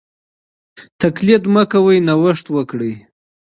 تقليد مه کوئ نوښت وکړئ.